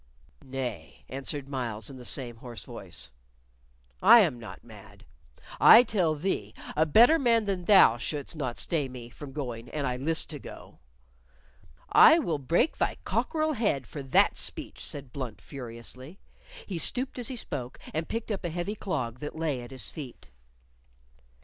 "Nay," answered Myles in the same hoarse voice, "I am not mad. I tell thee a better man than thou shouldst not stay me from going an I list to go. "I will break thy cockerel head for that speech," said Blunt, furiously. He stooped as he spoke, and picked up a heavy clog that lay at his feet.